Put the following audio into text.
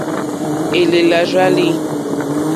Èlèlà rzàlì.